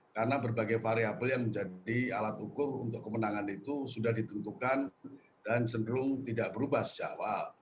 karena berbagai variabel yang menjadi alat ukur untuk kemenangan itu sudah ditentukan dan cenderung tidak berubah sejak awal